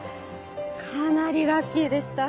かなりラッキーでした。